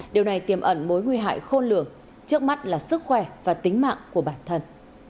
điều này tiềm ẩn mối nguy hại khôn lửa trước mắt là sức khỏe và tính mạng của bản thân